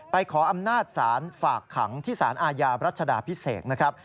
ขออำนาจศาลฝากขังที่สารอาญารัชดาพิเศษนะครับ